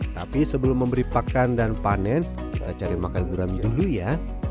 tapi sebelum memberi pakan dan panen kita cari makan gurami dulu ya